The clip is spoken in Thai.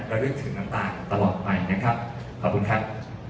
เรื่องถึงน้ำตาลตลอดไปนะครับขอบคุณครับ